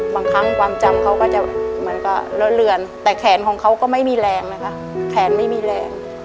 บางครั้งความจำเขาก็จะเหมือนกับเลอะเลือนแต่แขนของเขาก็ไม่มีแรงนะคะแขนไม่มีแรง